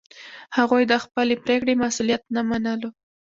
هغوی د خپلې پرېکړې مسوولیت نه منلو.